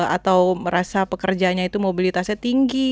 atau merasa pekerjanya itu mobilitasnya tinggi